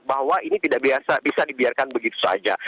bahwa ini tidak biasa bisa dibiarkan begitu saja